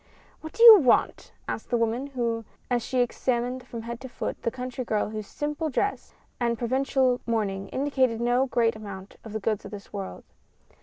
"What do you want?" asked the woman, as she examined from head to foot, the country girl whose simple dress and provincial mourning indicated no great amount of the goods of this world.